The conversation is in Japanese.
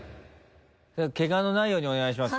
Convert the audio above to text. けがのないようにお願いします